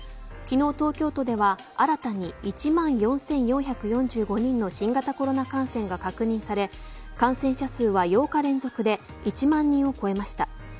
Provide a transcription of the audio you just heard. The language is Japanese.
昨日、東京都では新たに１万４４４５人の新型コロナ感染が確認され感染者数は８日連続で１万人を超えました。